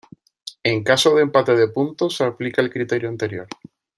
En caso de empate de puntos se aplica el criterio anterior.